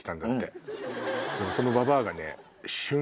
そのババアがね。